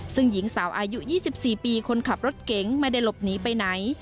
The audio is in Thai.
ซึ่งหญิงสาวอายุ๒๔ปีคนขับรถเก๋งไม่ได้หลบหนีไปไหน